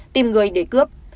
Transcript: tìm người để cướp